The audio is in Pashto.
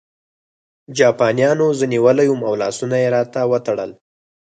جاپانیانو زه نیولی وم او لاسونه یې راته وتړل